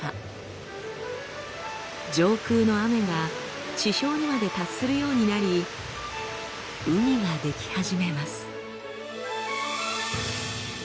上空の雨が地表にまで達するようになり海が出来始めます。